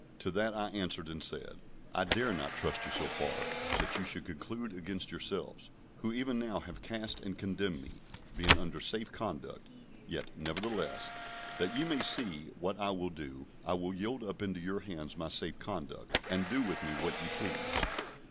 To that I answered and said, "I dare not trust you so far, that you should conclude against yourselves, who even now have cast and condemned me, being under safe conduct; yet, nevertheless, that ye may see what I will do, I will yield up into your hands my safe conduct, and do with me what ye please."